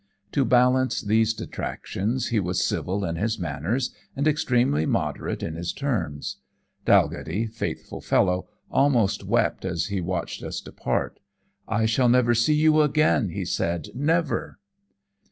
To balance these detractions he was civil in his manners and extremely moderate in his terms. Dalghetty, faithful fellow, almost wept as he watched us depart. 'I shall never see you again,' he said. 'Never!'